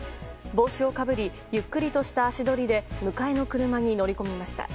帽子をかぶりゆっくりとした足取りで迎えの車に乗り込みました。